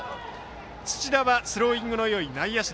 土田はスローイングのよい内野手。